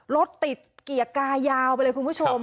รถติดเกียร์กายาวไปเลยคุณผู้ชม